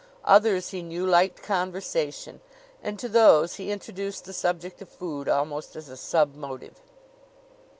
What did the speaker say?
Others, he knew, liked conversation; and to those he introduced the subject of food almost as a sub motive.